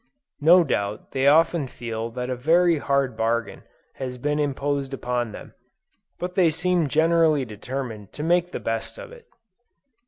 No doubt they often feel that a very hard bargain has been imposed upon them, but they seem generally determined to make the best of it.